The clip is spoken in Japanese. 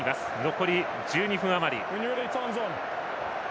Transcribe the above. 残り１２分あまり。